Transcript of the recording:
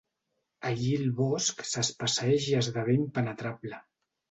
Allí el bosc s'espesseix i esdevé impenetrable.